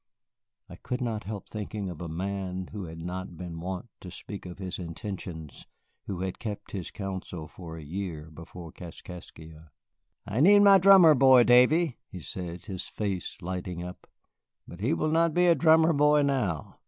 I could not help thinking of a man who had not been wont to speak of his intentions, who had kept his counsel for a year before Kaskaskia. "I need my drummer boy, Davy," he said, his face lighting up, "but he will not be a drummer boy now.